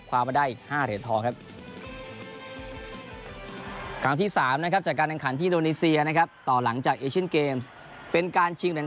ขวามได้ห้าเหลียดทองครับ